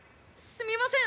すみません！」。